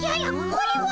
これは！